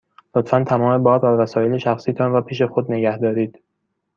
لطفاً تمام بار و وسایل شخصی تان را پیش خود نگه دارید.